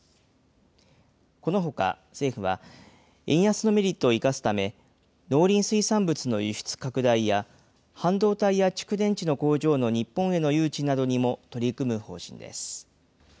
このほか、政府は、円安のメリットを生かすため、農林水産物の輸出拡大や、半導体や蓄電池の工場の日本への誘致などにも取り組む方針です。